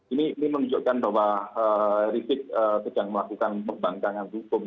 ini menunjukkan bahwa rizik sedang melakukan pembangkangan hukum